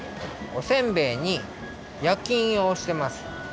おせんべいにやきいんをおしてます。